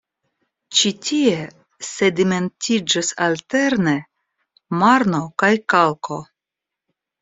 Ĉi tie sedimentiĝis alterne marno kaj kalko.